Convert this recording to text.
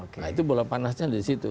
nah itu bola panasnya di situ